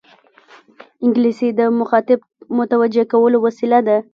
انګلیسي د مخاطب متوجه کولو وسیله ده